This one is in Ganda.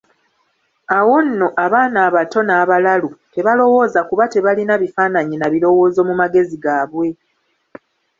Awo nno abaana abato n'abalalu, tebalowooza kuba tebalina bifaananyi na birowoozo mu magezi gaabwe.